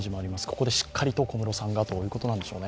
ここでしっかりと小室さんがということなのでしょうね。